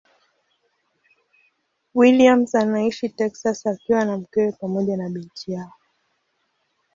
Williams anaishi Texas akiwa na mkewe pamoja na binti yao.